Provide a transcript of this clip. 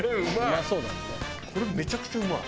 これめちゃくちゃうまい！